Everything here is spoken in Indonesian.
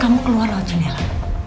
kamu keluar lewat jendela